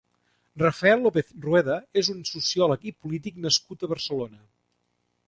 Rafael López Rueda és un sociòleg i polític nascut a Barcelona.